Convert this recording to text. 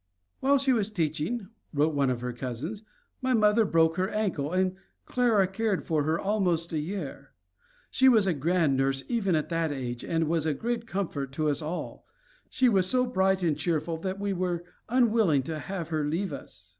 "While she was teaching," wrote one of her cousins, "my mother broke her ankle and Clara cared for her almost a year. She was a grand nurse, even at that age, and was a great comfort to us all; she was so bright and cheerful that we were unwilling to have her leave us."